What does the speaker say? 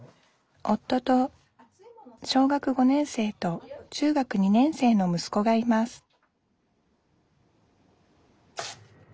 夫と小学５年生と中学２年生のむすこがいます